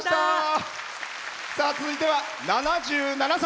続いては７７歳。